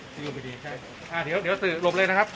ไปทุ่มไปดีใช่ใส่เดี๋ยวเดี๋ยวหลบเลยนะครับ